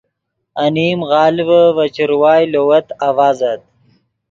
انیم غالڤے ڤے چروائے لووت آڤازت